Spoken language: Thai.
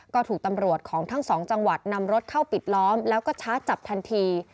ก็ถูกตำรวจของทั้งสองจังหวัดนำรถเข้าปิดล้อมแล้วก็ช้าจับทันที